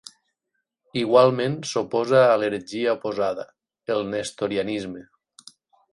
Igualment s'oposa a l'heretgia oposada, el nestorianisme.